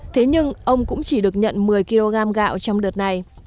thế nhưng ông cũng chỉ được nhận một mươi kg gạo trong đợt này